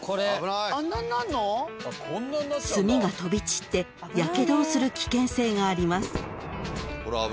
［炭が飛び散ってやけどをする危険性があります］